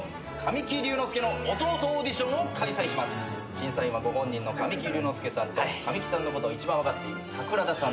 審査員はご本人の神木隆之介さんと神木さんのことを一番分かっている桜田さんです。